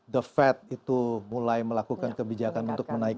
the fat itu mulai melakukan kebijakan untuk menaikkan bunga